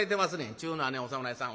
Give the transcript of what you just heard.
ちゅうのはねお侍さん